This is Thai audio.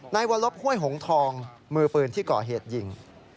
วรลบห้วยหงทองมือปืนที่ก่อเหตุยิง